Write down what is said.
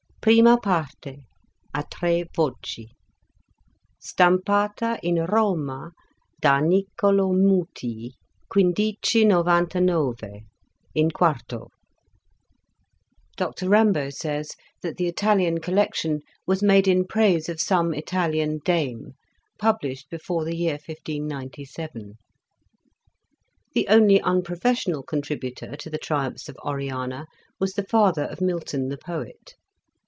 Prima Parte, a tre voci. Stampata, in Roma da Nicolo Mutii 1599, in 410." 26 Introduction. Dr Rimbault says that the Italian collection was made in praise of some Italian dame, published before the year 1597. The only unprofessional contributor to the 1 ' Triumphs of Oriana " was the father of Milton the poet.